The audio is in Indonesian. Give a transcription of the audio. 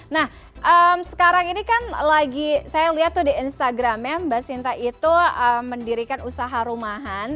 nah sekarang ini kan lagi saya lihat tuh di instagramnya mbak sinta itu mendirikan usaha rumahan